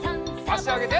あしあげて。